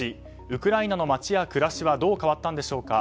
ウクライナの街や暮らしはどう変わったのでしょうか。